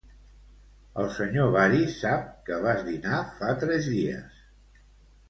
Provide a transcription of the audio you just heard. El senyor Varys sap què vas dinar fa tres dies.